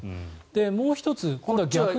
もう１つ、今度は逆に。